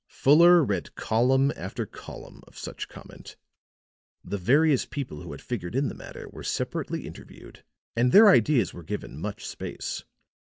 Fuller read column after column of such comment. The various people who had figured in the matter were separately interviewed and their ideas were given much space.